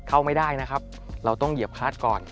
เข้าไม่ได้นะครับเราต้องเหยียบคลัดก่อน